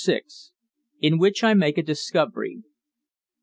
IN WHICH I MAKE A DISCOVERY.